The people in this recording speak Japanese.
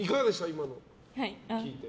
今のを聞いて。